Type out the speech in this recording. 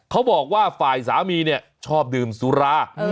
เขาบอกว่าฝ่ายสามีเนี่ยชอบดื่มสุรา